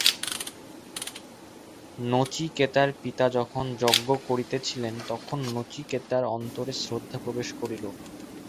নচিকেতার পিতা যখন যজ্ঞ করিতেছিলেন, তখন নচিকেতার অন্তরে শ্রদ্ধা প্রবেশ করিল।